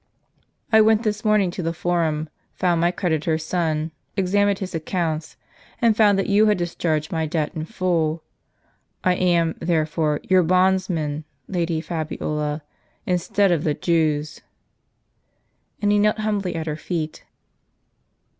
" I went this morning to the Forum, found my creditor's son, examined his accounts, and found that you had dis charged my debt in full. I am, therefore, your bondsman, Lady Fabiola, instead of the Jew's." And he knelt humbly at her feet.